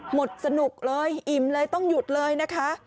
หมดสนุกเลยอิ่มเลยต้องหยุดเลยนะคะ